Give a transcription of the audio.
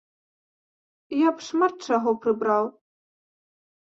Я б шмат чаго прыбраў.